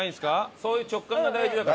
そういう直感が大事だから。